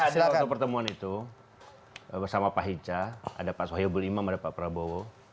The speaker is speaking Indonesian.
ada waktu pertemuan itu bersama pak hica ada pak sohibul imam ada pak prabowo